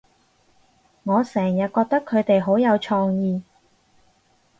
我成日覺得佢哋好有創意